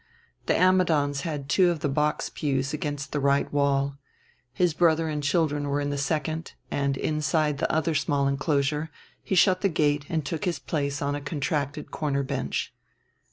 The Ammidons had two of the box pews against the right wall: his brother and children were in the second, and, inside the other small inclosure, he shut the gate and took his place on a contracted corner bench.